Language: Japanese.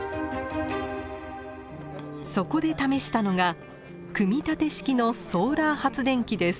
そこで試したのが組み立て式のソーラー発電機です。